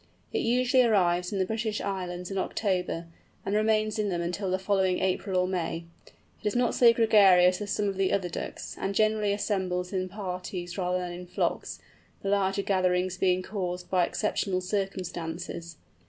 It usually arrives in the British Islands in October, and remains in them until the following April or May. It is not so gregarious as some of the other Ducks, and generally assembles in parties rather than in flocks, the larger gatherings being caused by exceptional circumstances.